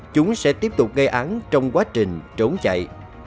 chúng sẽ tiếp tục gây án trong quá trình trốn chạy